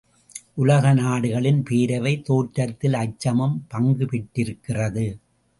உலக நாடுகளின் பேரவை தோற்றத்தில் அச்சமும் பங்கு பெற்றிருக்கிறது.